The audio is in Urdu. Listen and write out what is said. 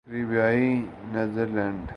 کریبیائی نیدرلینڈز